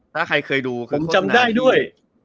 ถ้าใครเคยดูคือโฆษณาที่ผมจำได้ด้วย